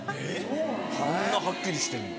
こんなはっきりしてんのに？